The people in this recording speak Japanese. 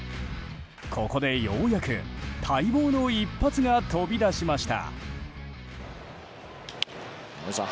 ここでようやく待望の一発が飛び出しました。